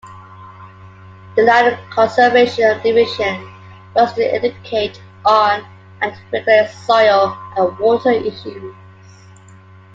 The land conservation division works to educate on and regulate soil and water issues.